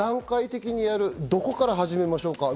どこから始めましょうか？